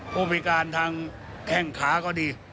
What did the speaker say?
ผู้พิการทางแข้งขาก็ดี